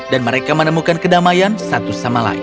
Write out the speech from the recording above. dan mereka menemukan kedamaian satu sama lain